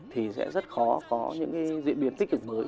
thì sẽ rất khó có những diễn biến tích cực mới